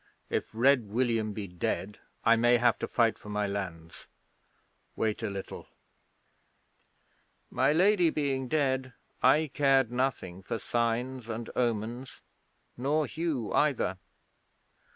If Red William be dead I may have to fight for my lands. Wait a little." 'My Lady being dead, I cared nothing for signs and omens, nor Hugh either.